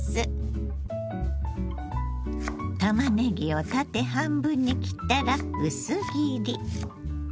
たまねぎを縦半分に切ったら薄切り。